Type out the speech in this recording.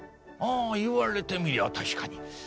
ああ言われてみりゃ確かに。